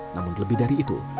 namun lebih dari itu